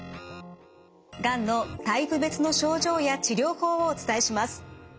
がんのタイプ別の症状や治療法をお伝えします。